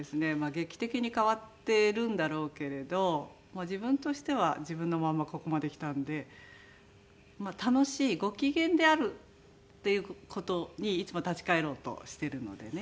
劇的に変わってるんだろうけれど自分としては自分のままここまできたんで楽しいご機嫌であるっていう事にいつも立ち返ろうとしてるのでね。